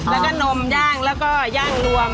แล้วก็นมย่างแล้วก็ย่างรวม